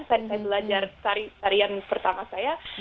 saya belajar tarian pertama saya